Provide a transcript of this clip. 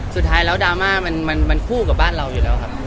สุดท้ายแล้วดราม่ามันคู่กับบ้านเราอยู่แล้วครับ